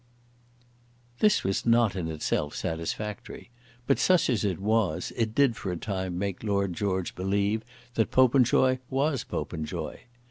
This was not in itself satisfactory; but such as it was, it did for a time make Lord George believe that Popenjoy was Popenjoy.